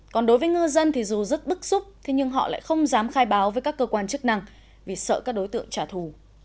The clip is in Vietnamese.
còn đối với ngư dân thì dù rất bức xúc nhưng họ lại không dám khai báo với các cơ quan chức năng vì sợ các đối tượng trả thù